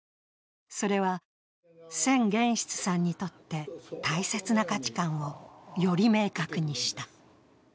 それは千玄室さんにとって大切な価値観をより明確にした。